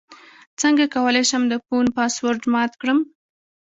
څنګه کولی شم د فون پاسورډ مات کړم